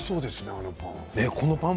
あのパン。